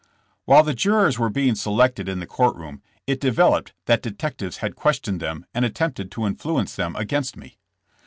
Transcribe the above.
'' While the jurors were being selected in the court room, it developed that detectives had ques tioned them and attempted to influence them against me.